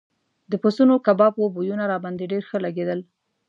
د پسونو کبابو بویونه راباندې ډېر ښه لګېدل.